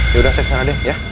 yaudah saya kesana deh ya